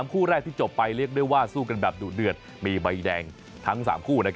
คู่แรกที่จบไปเรียกได้ว่าสู้กันแบบดุเดือดมีใบแดงทั้ง๓คู่